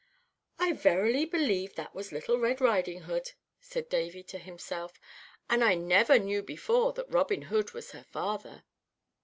"I verily believe that was Little Red Riding Hood," said Davy to himself, "and I never knew before that Robin Hood was her father!"